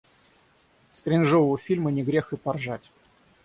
С кринжового фильма не грех и поржать.